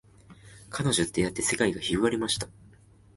彼女と出会って世界が広がりました